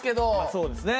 そうですね。